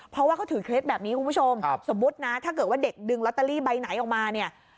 เพราะว่าเขาถือเคล็ดแบบนี้คุณผู้ชมสมมุตินะถ้าเกิดว่าเด็กดึงลอตเตอรี่ใบไหนออกมาเนี่ย